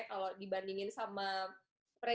kalau dibandingin sama prediksinya tadi ya coach ya